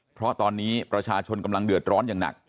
เพราะตอนนี้ประชาชนกำลังเดือดร้อนอย่างหนัก